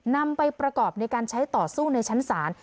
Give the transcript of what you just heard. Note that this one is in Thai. นำไปประกอบในการใช้ต่อสู้ในชั้นศาล